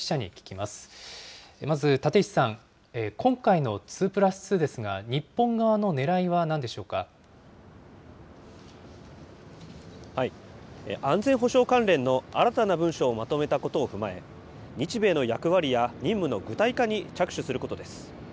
まず立石さん、今回の２プラス２ですが、日本側のねらいはなんで安全保障関連の新たな文書をまとめたことを踏まえ、日米の役割や任務の具体化に着手することです。